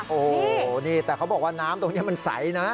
โอ้โหนี่แต่เขาบอกว่าน้ำตรงนี้มันใสนะ